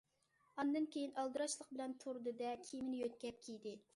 ئاندىن كېيىن ئالدىراشلىق بىلەن تۇردى- دە، كىيىمىنى يۆتكەپ كىيدى.